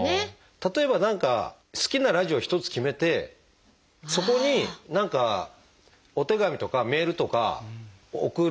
例えば何か好きなラジオ１つ決めてそこに何かお手紙とかメールとか送るとするじゃないですか。